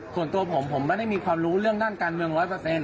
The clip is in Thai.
ส่วนตัวผมผมไม่ได้มีความรู้เรื่องด้านการเมือง๑๐๐